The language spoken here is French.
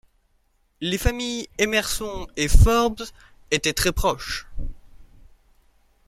Les familles Emerson et Forbes étaient très proches.